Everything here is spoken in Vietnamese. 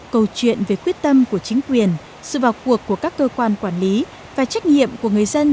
câu chuyện về quyết tâm của chính quyền sự vào cuộc của các cơ quan quản lý và trách nhiệm của người dân